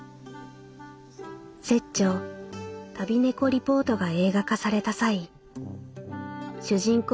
「拙著『旅猫リポート』が映画化された際主人公